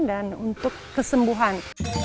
dan untuk kesembuhan